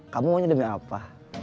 kamu mau jadi demi apa